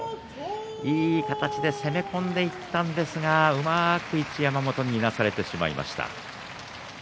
いい形で攻め込んでいったんですが、うまく、一山本にいなされてしまいました。